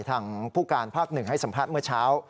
ทางผู้การภาคหนึ่งให้สัมภาษณ์เมื่อเช้า